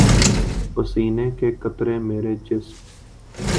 پسینے کے قطرے میرے جسم